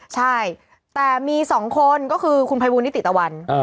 ใช่แต่มี๒คนก็คือคุณภัยบูลนิติตะวัน